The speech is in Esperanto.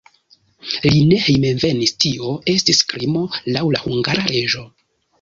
Li ne hejmenvenis, tio estis krimo laŭ la hungara leĝo.